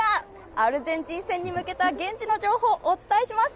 アルゼンチン戦に向けた、現地を情報をお伝えします。